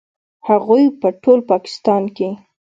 هغوی په ټول پاکستان کې